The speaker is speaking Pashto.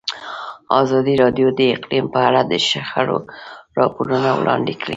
ازادي راډیو د اقلیم په اړه د شخړو راپورونه وړاندې کړي.